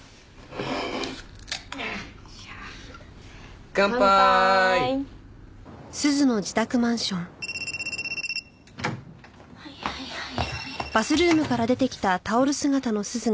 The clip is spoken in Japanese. はいはいはいはい。